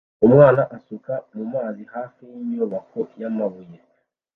Umwana asuka mumazi hafi yinyubako yamabuye